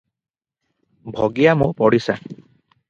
ଭଗିଆ ମୋ ପଡ଼ିଶା ।